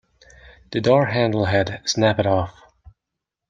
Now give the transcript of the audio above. The door handle had snapped off.